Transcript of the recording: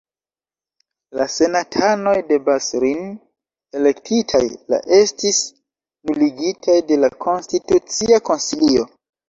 La senatanoj de Bas-Rhin elektitaj la estis nuligitaj la de la Konstitucia Konsilio.